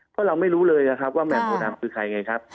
เพราะเราไม่รู้เลยนะครับว่าแหม่มโพดำคือใครไงครับ